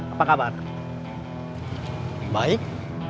apa kabar baik